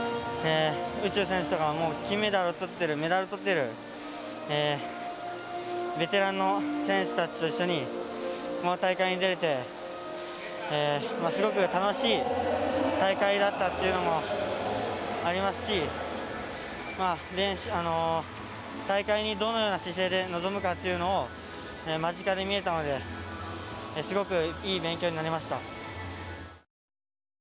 宇宙選手とかも金メダルをとってるメダルをとってるベテランの選手たちと一緒にこの大会に出れてすごく楽しい大会だったっていうのもありますし大会にどのような姿勢で臨むかっていうのを間近で見れたのですごくいい勉強になりました。